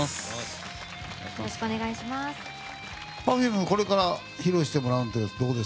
Ｐｅｒｆｕｍｅがこれから披露してもらうのは？